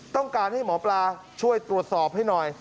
ต้องการให้หมอปลาช่วยตรวจสอบให้หน่อย